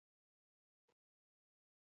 دغه جګړې پر افغانانو وتپل شوې.